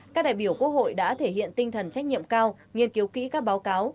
các đại biểu quốc hội đã thể hiện tinh thần trách nhiệm cao nghiên cứu kỹ các báo cáo